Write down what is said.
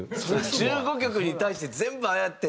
１５曲に対して全部ああやって？